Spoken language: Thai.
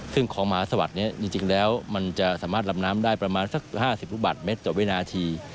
ซึ่งคลองมหาสวรรค์จริงแล้วมันจะสามารถรำน้ำได้ประมาณสัก๕๐ลูกบัตรเม็ดต่อเวลาหน้าที